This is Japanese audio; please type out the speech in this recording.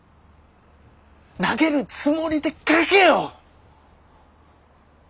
投げるつもりで書けよ！